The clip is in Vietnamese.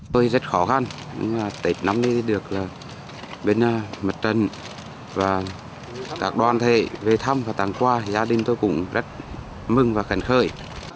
tôi rất khó khăn nhưng tết năm nay được bên mặt trận và các đoàn thể về thăm và tàn qua gia đình tôi cũng rất mừng và khẳng khởi